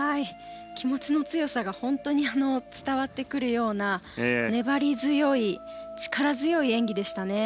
気持ちの強さが本当に伝わってくるような粘り強い力強い演技でしたね。